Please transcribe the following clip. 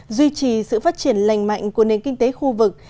duy trì sự phát triển lành mạnh của nền kinh tế khu vực